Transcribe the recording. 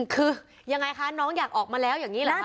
คือยังไงคะน้องอยากออกมาแล้วอย่างนี้เหรอคะ